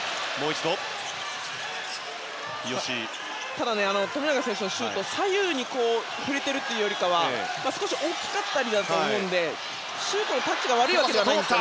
ただ、富永選手のシュート左右に振れているというよりかは少し大きかったと思うのでシュートのタッチは悪くないです。